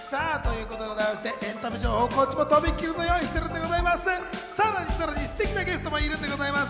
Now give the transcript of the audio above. エンタメ情報、こちらもとびっきりのを用意してるんでございます。